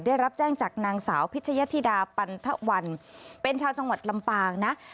ได้รับแจ้งจากนางสาวพิชยธิดาปันทวันเป็นชาวจังหวัดลำปางนะ